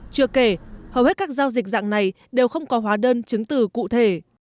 chưa kể hầu hết các giao dịch dạng này đều không có hóa đơn chứng từ cụ thể